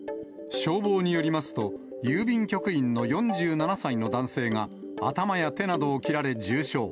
消防によりますと、郵便局員の４７歳の男性が、頭や手などを切られ重傷。